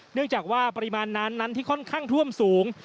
เนื่องจากว่าปริมาณน้ำนั้นที่ค่อนข้างท่วมสูง